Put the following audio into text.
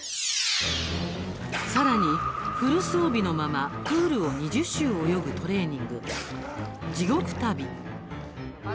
さらに、フル装備のままプールを２０周泳ぐトレーニング地獄旅。